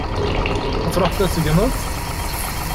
Ad truḥeḍ ad tegneḍ?